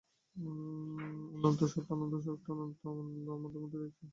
অনন্ত সত্তা, অনন্ত শক্তি, অনন্ত আনন্দ আমাদের মধ্যেই রহিয়াছে।